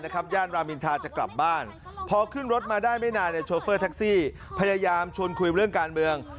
ก็ชวนคุยเรื่องการเมือง